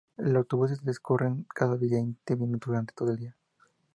Los autobuses discurren cada veinte minutos durante todo el día.